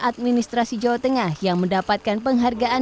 administrasi jawa tengah yang mendapatkan penghargaan